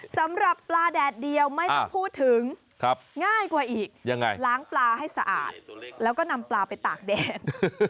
สำหรับปลาแดดเดียวไม่ต้องพูดถึงง่ายกว่าอีกล้างปลาให้สะอาดแล้วก็นำปลาไปตากแดด